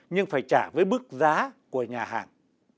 nhưng phải trả với bức giá của nhà hàng